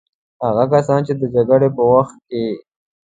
هغه کسان چې د جګړې په وخت کې.